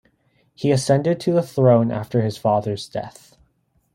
He ascended to the throne after his father's death.